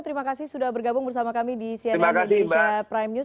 terima kasih sudah bergabung bersama kami di cnn indonesia prime news